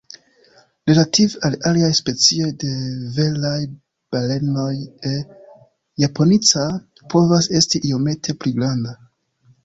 Relative al aliaj specioj de veraj balenoj, "E. japonica" povas esti iomete pli granda.